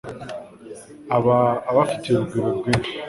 aba abafitiye urugwiro rwinshi